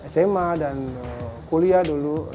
sma dan kuliah dulu